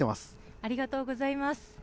ありがとうございます。